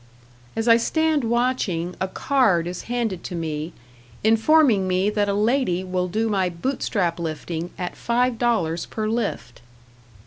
As I stand watching, a card is handed to me, informing me that a lady will do my Bootstrap lifting at five dollars per lift.